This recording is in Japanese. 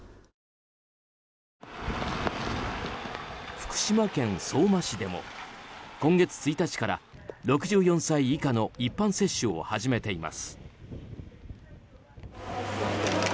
福島県相馬市でも今月１日から６４歳以下の一般接種を始めています。